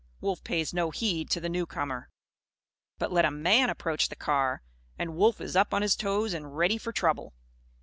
Wolf pays no heed to the newcomer. But let a man approach the car; and Wolf is up on his toes, and ready for trouble.